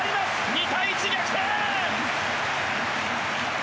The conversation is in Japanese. ２対１逆転！